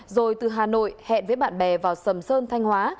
rồi từ hà nội hẹn với bạn bè vào sầm sơn thanh hóa